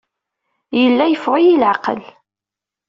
Yella yeffeɣ-iyi leɛqel.